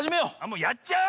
もうやっちゃう？